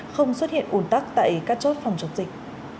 không xuất hiện ủn tắc tại các chốt phòng chống dịch